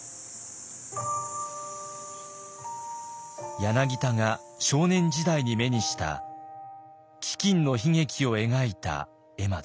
柳田が少年時代に目にした飢きんの悲劇を描いた絵馬です。